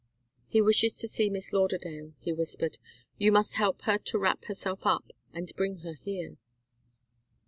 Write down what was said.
"He wishes to see Miss Lauderdale," he whispered. "You must help her to wrap herself up, and bring her here."